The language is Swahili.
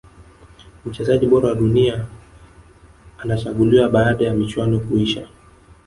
mchezaji bora wa dunia anachuguliwa baada ya michuano kuisha